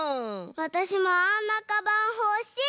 わたしもあんなかばんほしい！